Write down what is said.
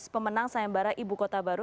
pemenang sayembara ibu kota baru